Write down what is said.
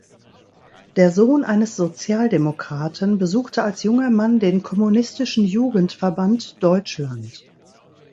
Der Sohn eines Sozialdemokraten besuchte als junger Mann den Kommunistischen Jugendverband Deutschland.